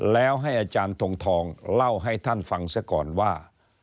แล้วให้อาจารย์ทงทองเล่าให้ท่านฟังซะก่อนว่า